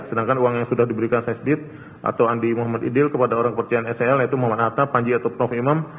sedangkan uang yang sudah diberikan sesdit atau andi muhammad idil kepada orang kepercayaan sel yaitu muhammad atta panji atau prof imam